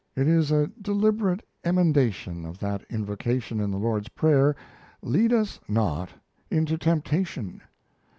It is a deliberate emendation of that invocation in the Lord's Prayer "Lead us (not) into temptation."